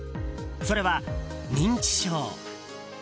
それは、認知症。